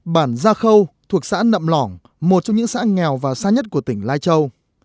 bản gia khâu thuộc xã nậm lỏng một trong những xã nghèo và xa nhất của tỉnh lai châu